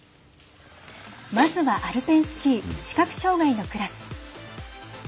まずは、アルペンスキー視覚障がいのクラス。